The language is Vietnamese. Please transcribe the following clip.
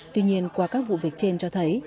tuy nhiên qua các vụ việc trên cho thấy